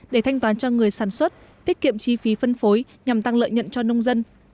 để thanh toán cho người sản xuất tiết kiệm chi phí phân phối nhằm tăng lợi nhận cho nông dân